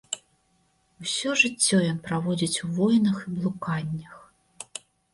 Усё жыццё ён праводзіць у войнах і блуканнях.